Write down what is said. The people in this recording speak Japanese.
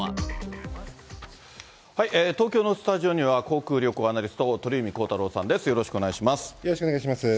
東京のスタジオには、航空・旅行アナリスト、鳥海高太朗さんです、よろしくお願いしまよろしくお願いします。